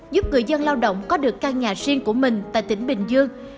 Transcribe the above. giúp người dân lao động có được căn nhà riêng của mình tại tỉnh bình dương